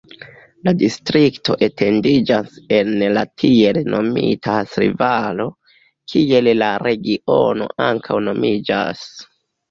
La distrikto etendiĝas en la tiel nomita Hasli-Valo, kiel la regiono ankaŭ nomiĝas.